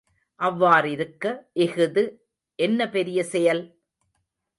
அவ்வாறிருக்க இஃது என்ன பெரிய செயல்?